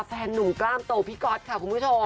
แฟนนุ่มกล้ามโตพี่ก๊อตค่ะคุณผู้ชม